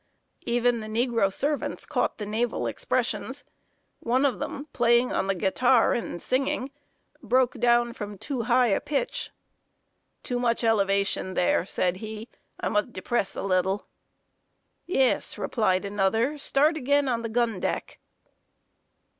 Even the negro servants caught the naval expressions. One of them, playing on the guitar and singing, broke down from too high a pitch. "Too much elevation there," said he. "I must depress a little." "Yes," replied another. "Start again on the gun deck."